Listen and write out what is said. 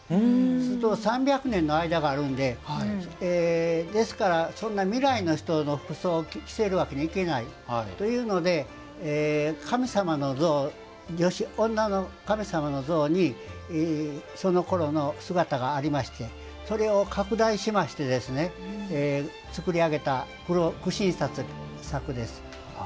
すると、３００年の間があるのでですから未来の人の服装を着せるわけにはいけないというので女の神様の像にそのころの姿がありましてそれを拡大しまして作り上げた苦心作です。